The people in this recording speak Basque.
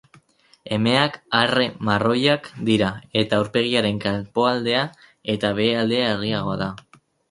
Emeak arre-marroiak dira eta aurpegiaren kanpoaldea eta behealdea argiagoa da.